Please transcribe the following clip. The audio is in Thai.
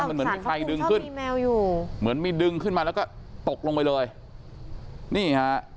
มันเหมือนมีใครดึงขึ้นมีแมวอยู่เหมือนมีดึงขึ้นมาแล้วก็ตกลงไปเลยนี่ฮะ